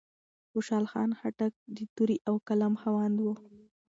خوشال خان خټک د تورې او قلم خاوند و.